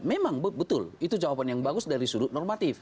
memang betul itu jawaban yang bagus dari sudut normatif